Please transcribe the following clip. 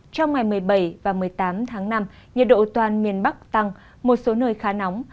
trong ngày một mươi bảy và một mươi tám tháng năm nhiệt độ toàn miền bắc tăng một số nơi khá nóng